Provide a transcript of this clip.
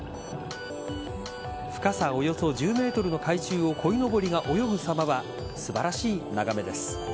深さおよそ１０ｍの海中をこいのぼりが泳ぐさまは素晴らしい眺めです。